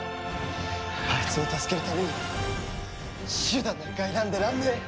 あいつを助けるためには手段なんか選んでらんねえ。